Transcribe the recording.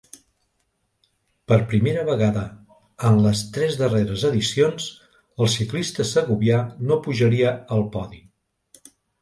Per primera vegada en les tres darreres edicions, el ciclista segovià no pujaria al podi.